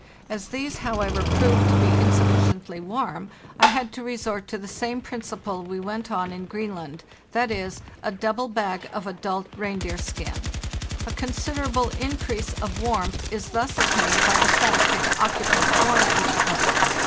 As these, however, proved to be insufficiently warm, I had to resort to the same principle we went on in Greenland, 1.0., a double bag of adult reindeer skin; a considerable increase of warmth is thus attained by the fact that the occupants warm each other.